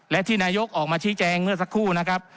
และที่นายกออกมาชี้แจงเมื่อสักครู่นะครับ